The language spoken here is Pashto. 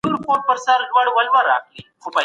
په خبرو کي به مو د حق اواز وي.